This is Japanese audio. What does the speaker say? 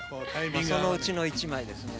そのうちの一枚ですので。